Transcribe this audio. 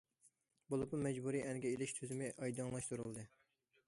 بولۇپمۇ مەجبۇرىي ئەنگە ئېلىش تۈزۈمى ئايدىڭلاشتۇرۇلدى.